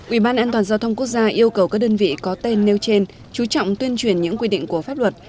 ubnd quốc gia yêu cầu các đơn vị có tên nêu trên chú trọng tuyên truyền những quy định của pháp luật